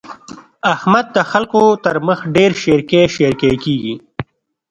احمد د خلګو تر مخ ډېر شېرکی شېرکی کېږي.